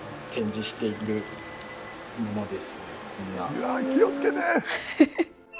うわ気を付けて！